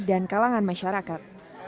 dan kalangan masyarakat